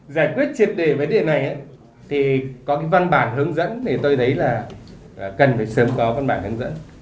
giải quyết triệp đề với điều này thì có cái văn bản hướng dẫn thì tôi thấy là cần phải sớm có văn bản hướng dẫn